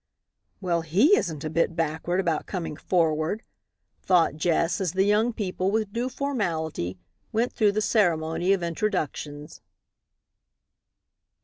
"Well, he isn't a bit backward about coming forward!" thought Jess as the young people, with due formality, went through the ceremony of introductions.